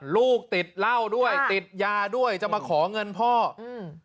ลูกติดเหล้าด้วยติดยาด้วยจะมาขอเงินพ่ออืม